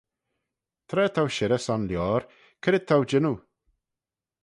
Tra t'ou shirrey son lioar, c'red t'ou jannoo?